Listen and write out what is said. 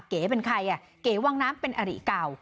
เก๋เป็นใครอ่ะเก๋วังน้ำเป็นอริเก่า